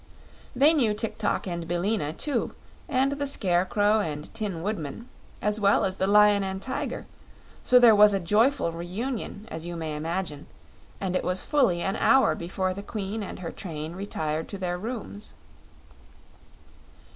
They knew Tik tok and Billina, too, and the Scarecrow and Tin Woodman, as well as the Lion and Tiger; so there was a joyful reunion, as you may imagine, and it was fully an hour before the Queen and her train retired to their rooms.